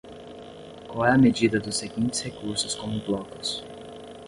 Qual é a medida dos seguintes recursos como blocos?